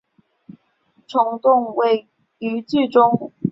虫洞于剧中也非二维空间之洞穴而是三维空间之球体。